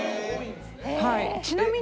ちなみに。